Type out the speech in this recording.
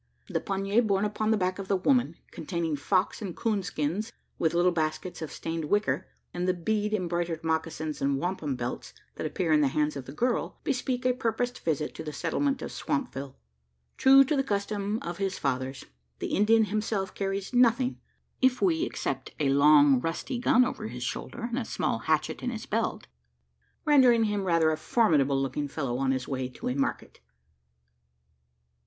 The pannier borne upon the back of the woman, containing fox and coon skins, with little baskets of stained wicker and the bead embroidered mocassins and wampum belts that appear in the hands of the girl bespeak a purposed visit to the settlement of Swampville. True to the custom "of his fathers," the Indian himself carries nothing if we except a long rusty gun over his shoulder, and a small hatchet in his belt: rendering him rather a formidable looking fellow on his way to a market.